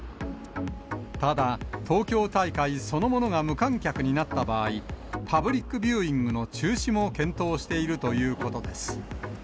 ただ、東京大会そのものが無観客になった場合、パブリックビューイングの中止も検討しているということです。